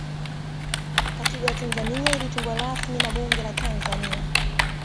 katiba ya tanzania ilitungwa rasmi na bunge la tanzania